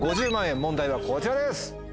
問題はこちらです！